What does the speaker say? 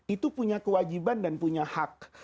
itu punya kewajiban dan punya hak